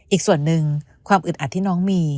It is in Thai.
อีกส่วนหนึ่งความอึดอัดที่น้องมี